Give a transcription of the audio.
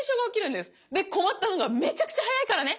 で困ったのがめちゃくちゃ速いからね。